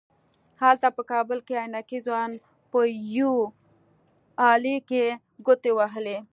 هلته په کابل کې عينکي ځوان په يوې آلې کې ګوتې وهلې.